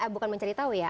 bukan mencari tahu ya